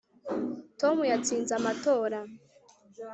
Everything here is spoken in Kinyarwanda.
tom yatsinze amatora